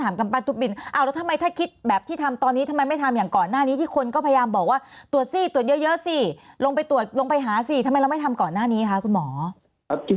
กำปั้นตุ๊บบินอ้าวแล้วทำไมถ้าคิดแบบที่ทำตอนนี้ทำไมไม่ทำอย่างก่อนหน้านี้ที่คนก็พยายามบอกว่าตรวจสิตรวจเยอะสิลงไปตรวจลงไปหาสิทำไมเราไม่ทำก่อนหน้านี้คะคุณหมอ